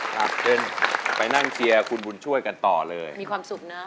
ครับเช่นไปนั่งเชียร์คุณบุญช่วยกันต่อเลยมีความสุขนะ